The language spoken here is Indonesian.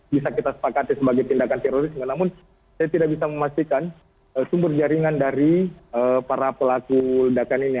bisa kita sepakati sebagai tindakan teroris namun saya tidak bisa memastikan sumber jaringan dari para pelaku ledakan ini